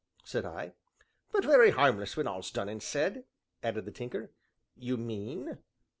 said I. "But very harmless when all's done and said," added the Tinker. "You mean?"